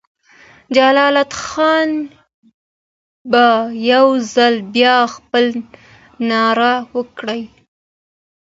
جلات خان به یو ځل بیا خپله ناره وکړي.